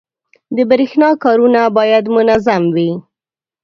• د برېښنا کارونه باید منظم وي.